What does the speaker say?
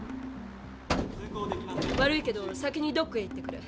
悪いけど先にドックへ行ってくれ。